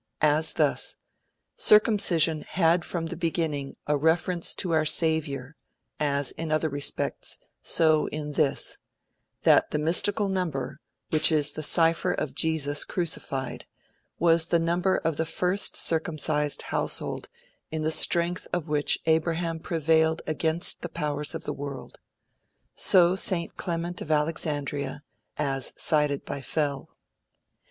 As thus: circumcision had from the beginning, a reference to our SAVIOUR, as in other respects, so in this; that the mystical number, which is the cipher of Jesus crucified, was the number of the first circumcised household in the strength of which Abraham prevailed against the powers of the world. So St. Clement of Alexandria, as cited by Fell.'